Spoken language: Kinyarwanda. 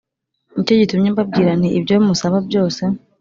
Ni cyo gitumye mbabwira nti ibyo musaba byose